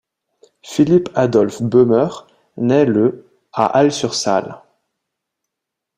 Philipp Adolph Böhmer naît le à Halle-sur-Saale.